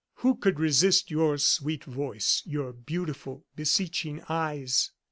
Who could resist your sweet voice, your beautiful, beseeching eyes?"